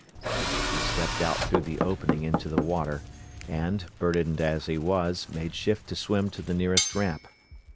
He stepped out through the opening into the water, and, burdened as he was, made shift to swim to the nearest ramp.